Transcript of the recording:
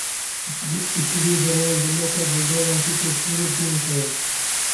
Its leader was the local Bulgarian teacher Filip Dimitrov.